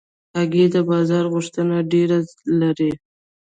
هګۍ د بازار غوښتنه ډېره لري.